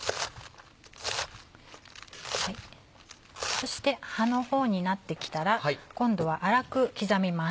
そして葉の方になってきたら今度は粗く刻みます。